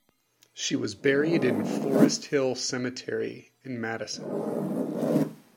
She was buried in Forest Hill Cemetery in Madison.